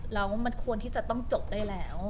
เราก็ควรที่จะต้องจบได้แล้ว